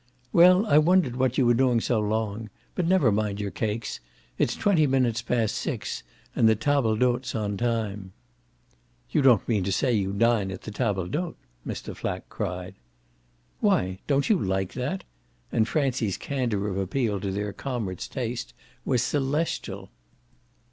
"Well, I wondered what you were doing so long. But never mind your cakes. It's twenty minutes past six, and the table d'hote's on time." "You don't mean to say you dine at the table d'hote!" Mr. Flack cried. "Why, don't you like that?" and Francie's candour of appeal to their comrade's taste was celestial.